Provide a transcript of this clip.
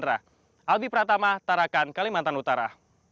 albi pratama tarakan kalimantan utara